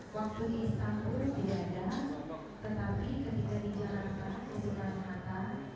kalau misalnya saksi di rumah keluarga